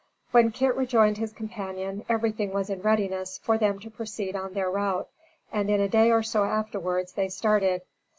When Kit rejoined his companion, everything was in readiness for them to proceed on their route, and, in a day or so afterwards, they started.